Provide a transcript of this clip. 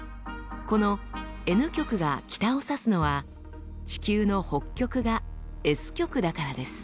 このＮ極が北を指すのは地球の北極がＳ極だからです。